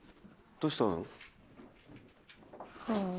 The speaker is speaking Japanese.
どうしたの？ハァ。